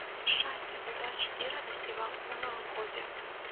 Шчасця, удачы і радасці вам у новым годзе!